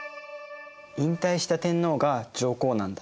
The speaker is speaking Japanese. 引退した天皇が上皇なんだね。